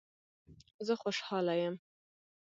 زه خوشحاله یم